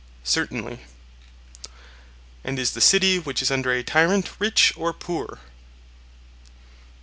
Certainly. And is the city which is under a tyrant rich or poor?